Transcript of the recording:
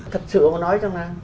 thật sự nói cho là